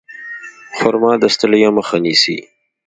خرما د ستړیا مخه نیسي.